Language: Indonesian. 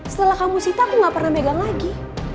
setelah kamu sita aku gak pernah megang lagi